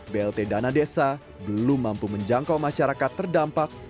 blt dana desa belum mampu menjangkau masyarakat terdampak